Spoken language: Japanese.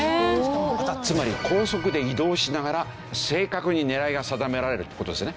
つまり高速で移動しながら正確に狙いが定められるって事ですね。